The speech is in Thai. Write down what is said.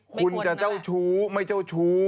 คุณจะเจ้าชู้ไม่เจ้าชู้